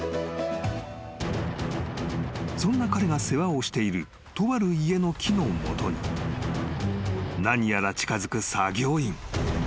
［そんな彼が世話をしているとある家の木の元に何やら近づく作業員］